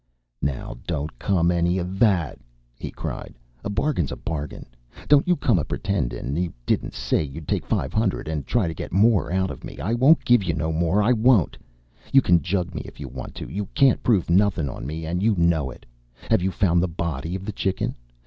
"Now, don't come any of that!" he cried. "A bargain is a bargain. Don't you come a pretendin' you didn't say you'd take five hundred, and try to get more out of me! I won't give you no more I won't! You can jug me, if you want to. You can't prove nothin' on me, and you know it. Have you found the body of the Chicken?